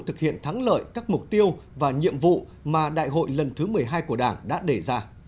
thực hiện thắng lợi các mục tiêu và nhiệm vụ mà đại hội lần thứ một mươi hai của đảng đã đề ra